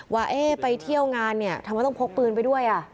ว่าไปเที่ยวงานเนี่ยทำไมต้องพกปืนไปด้วย